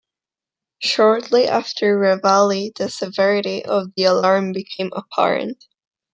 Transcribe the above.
Shortly after reveille, the severity of the alarm became apparent.